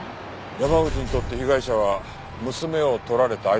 山口にとって被害者は娘を取られた相手でもある。